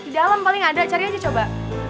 di dalam paling ada cari aja coba